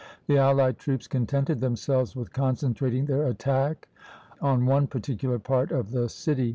The allied troops contented themselves with concentrating their attack on one particular part of the city.